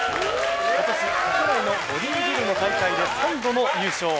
今年国内のボディービルの大会で３度の優勝。